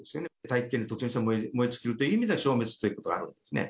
大気圏に突入して燃え尽きるという意味では、消滅ということがあるんですね。